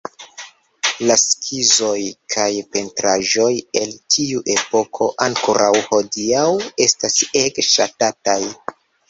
La skizoj kaj pentraĵoj el tiu epoko ankoraŭ hodiaŭ estas ege ŝatataj".